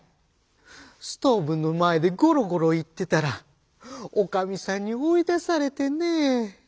ストーブの前でゴロゴロ言ってたらおかみさんに追い出されてねぇ」。